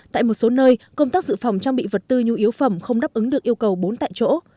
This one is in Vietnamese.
tại một số nơi công tác dự phòng trang bị vật tư nhu yếu phẩm không đáp ứng được yêu cầu bốn tại chỗ